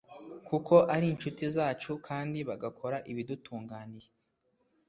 kuko ari incuti zacu kandi bagakora ibidutunganiye